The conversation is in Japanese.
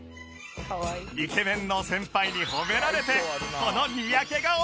イケメンの先輩に褒められてこの